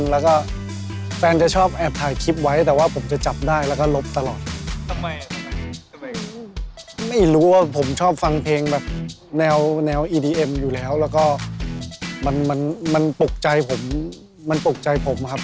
แล้วก็แฟนจะชอบแอบถ่ายคลิปวิดีโอไอ